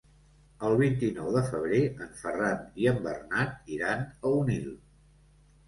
El vint-i-nou de febrer en Ferran i en Bernat iran a Onil.